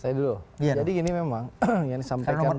saya dulu jadi gini memang yang disampaikan